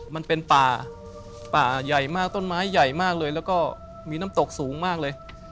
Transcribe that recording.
มันเป็นป่าป่าใหญ่มากต้นไม้ใหญ่มากเลยแล้วก็มีน้ำตกสูงมากเลย